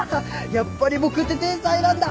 やっぱり僕って天才なんだ！